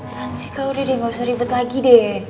kan sih kak udah deh gak usah ribet lagi deh